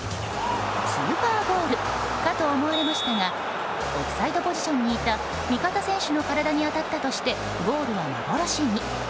スーパーゴールかと思われましたがオフサイドポジションにいた味方選手の体に当たったとしてゴールは幻に。